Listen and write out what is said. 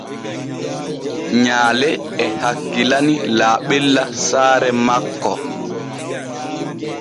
Nyaale e hakkilani laaɓella saare makko.